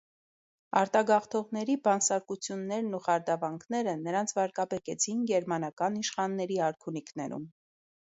Արտագաղթողների բանսարկություններն ու խարդավանքները նրանց վարկաբեկեցին գերմանական իշխանների արքունիքներում։